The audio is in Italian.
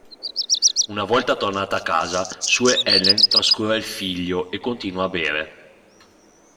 Una volta tornata a casa Sue Ellen trascura il figlio e continua a bere.